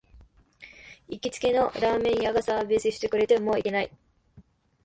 行きつけのラーメン屋がサービスしてくれて、もう行けない